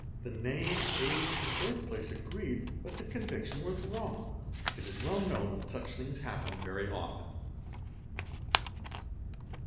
The name, age and hirthpla ! agreed but the conviction was wrong. It is well known that su | things happen very often.